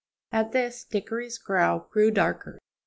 At this Dickory's brow grew darker.